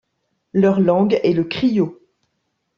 Leur langue est le krio.